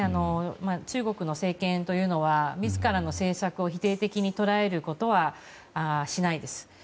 中国の政権というのは自らの政策を否定的に捉えることはしないです。